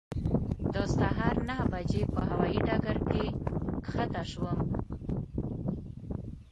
د سهار نهه بجې په هوایي ډګر کې کښته شوم.